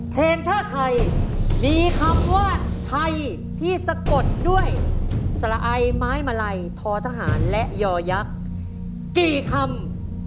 ทีมชาติไทยมีคำว่าไทยที่สะกดด้วยสละไอไม้มาลัยทอทหารและยอยักษ์กี่คำ